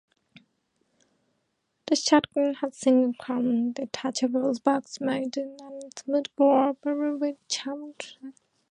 The shotgun has single column detachable box magazine and smoothbore barrel with chrome plating.